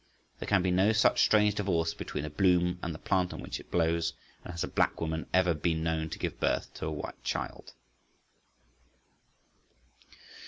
There can be no such strange divorce between a bloom and the plant on which it blows, and has a black woman ever been known to give birth to a white child?